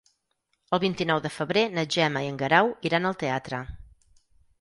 El vint-i-nou de febrer na Gemma i en Guerau iran al teatre.